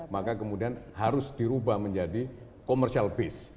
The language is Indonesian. maka kemudian harus dirubah menjadi commercial base